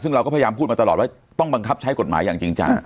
ซึ่งเราก็พยายามพูดมาตลอดว่าต้องบังคับใช้กฎหมายอย่างจริงจัง